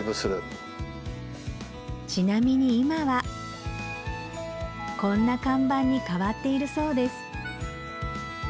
ちなみに今はこんな看板に変わっているそうです